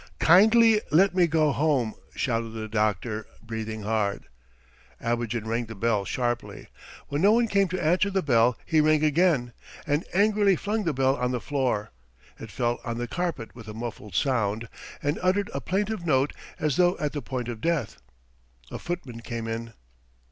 "Kindly let me go home!" shouted the doctor, breathing hard. Abogin rang the bell sharply. When no one came to answer the bell he rang again and angrily flung the bell on the floor; it fell on the carpet with a muffled sound, and uttered a plaintive note as though at the point of death. A footman came in.